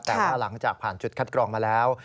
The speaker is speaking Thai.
แต่ว่าหลังจากผ่านจุดคัดกรองมาแล้ว